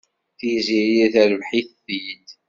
Tiziri terbeḥ-it-id.